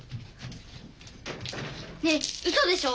ねえうそでしょ？